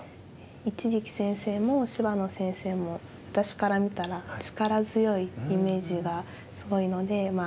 一力先生も芝野先生も私から見たら力強いイメージがすごいのでまあ